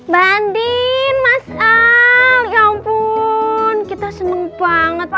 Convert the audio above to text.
ma ndin mas al ya ampun kita senang banget